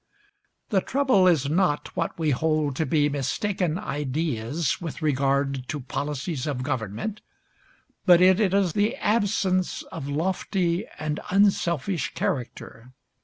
The trouble is not what we hold to be mistaken ideas with regard to policies of government, but it is the absence of lofty and unselfish character.